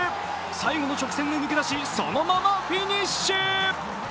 最後の直線で抜け出しそのままフィニッシュ。